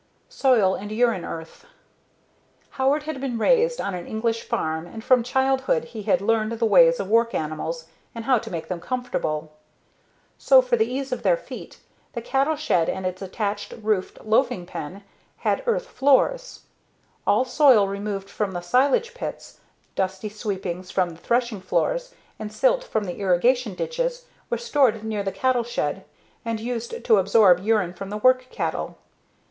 Soil and Urine Earth Howard had been raised on an English farm and from childhood he had learned the ways of work animals and how to make them comfortable. So, for the ease of their feet, the cattle shed and its attached, roofed loafing pen had earth floors. All soil removed from the silage pits, dusty sweepings from the threshing floors, and silt from the irrigation ditches were stored near the cattle shed and used to absorb urine from the work cattle.